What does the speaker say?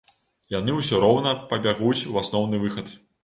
Яны ўсё роўна пабягуць у асноўны выхад.